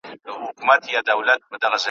ما له پلاره په ميراث کي